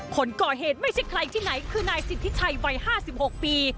คนก่อเหตุไม่ใช่ใครที่ไหนคือนายสิทธิชัยวัย๕๖ปี